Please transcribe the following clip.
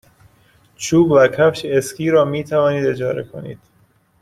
چوب و کفش اسکی را می توانید اجاره کنید.